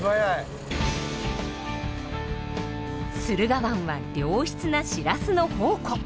駿河湾は良質なシラスの宝庫。